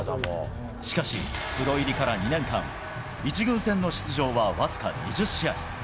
しかし、プロ入りから２年間、１軍戦の出場は僅か２０試合。